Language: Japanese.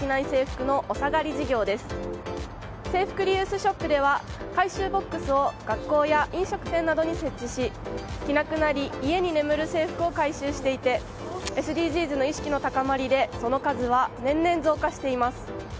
制服リユースショップでは回収ボックスを学校や飲食店などに設置し着なくなり家に眠る制服を回収していてＳＤＧｓの意識の高まりでその数は年々増加しています。